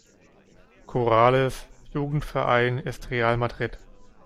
Corrales' Jugendverein ist Real Madrid.